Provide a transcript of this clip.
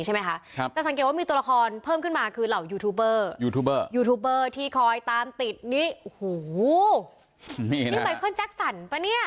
ใช่ไหมคะครับจะสังเกตว่ามีตัวละครเพิ่มขึ้นมาคือเหล่ายูทูบเบอร์ยูทูบเบอร์ยูทูบเบอร์ที่คอยตามติดนี่โอ้โหนี่ไมเคิลแจ็คสันปะเนี่ย